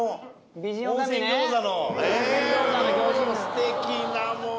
すてきなもう。